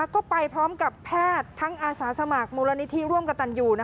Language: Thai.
ก็ไปพร้อมกับแพทย์ทั้งอาสาสมัครมูลนิธิร่วมกับตันอยู่